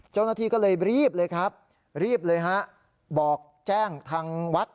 เจ้าหน้าที่ก็เลยรีบเลยครับรีบเลยฮะบอกแจ้งทางวัด